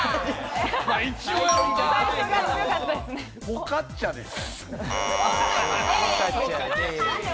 フォカッチャです。